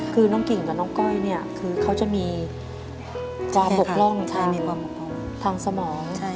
คือน้องกิ่งกับน้องก้อยเนี่ยเขาจะมีความบกล่องทางสมอง